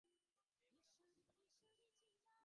এইবার আমার হাসিবার পালা ছিল।